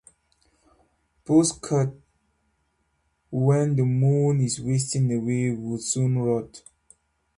Posts cut when the moon is wasting away will soon rot.